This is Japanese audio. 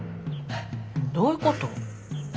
どういうこと？